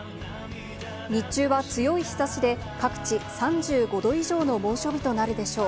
日中は強い日差しで各地３５度以上の猛暑日となるでしょう。